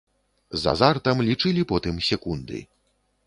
З азартам лічылі потым секунды.